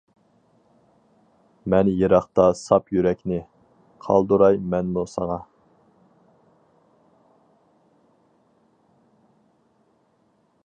مەن يىراقتا ساپ يۈرەكنى، قالدۇراي مەنمۇ ساڭا.